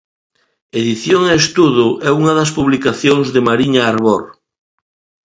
Edición e estudo é unha das publicacións de Mariña Arbor.